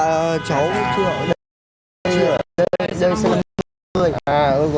thế cháu có bằng lấy xe chưa